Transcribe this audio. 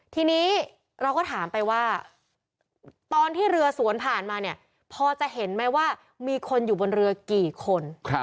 ทีนี้เราก็ถามไปว่าตอนที่เรือสวนผ่านมาเนี่ยพอจะเห็นไหมว่ามีคนอยู่บนเรือกี่คน